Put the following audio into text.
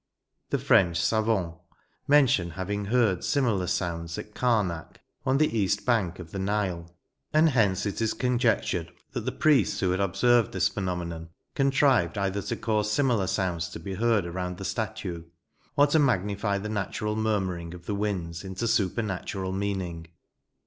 The French savtms mention having heard similar sounds at Camack on the east bank of the Nile ; and hence it is conjectured that the priests, who had observed this phenomenoui contrived either to cause similar sounds to be heard around the statue, or to magnify the natural murmuring of the winds into supernatural meaning.